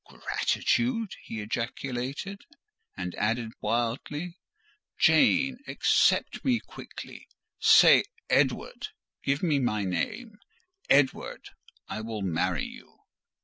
"Gratitude!" he ejaculated; and added wildly—"Jane accept me quickly. Say, Edward—give me my name—Edward—I will marry you."